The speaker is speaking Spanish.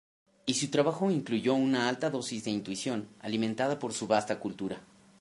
Y su trabajo incluyó una alta dosis de intuición, alimentada por su vasta cultura.